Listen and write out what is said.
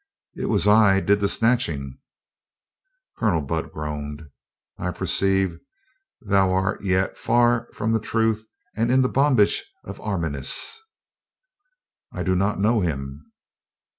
"It was I did the snatching." Colonel Budd groaned. "I perceive thou art yet far from the truth and in the bondage of Arminius !" "I do not know him."